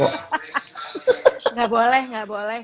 gak boleh gak boleh